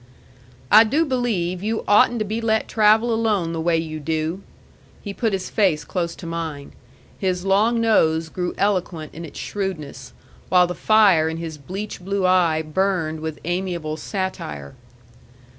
"I do believe you'd oughtn't to be let travel alone the way you do." He put his face close to mine. His long nose grew eloquent in its shrewdness, while the fire in his bleached blue eye burned with amiable satire.